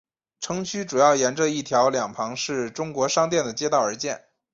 城区主要沿着一条两旁是中国商店的街道而建。